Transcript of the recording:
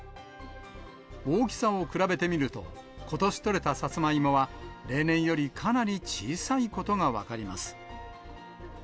大きさを比べてみると、ことし取れたさつまいもは、例年よりかなり小さいことが分かります。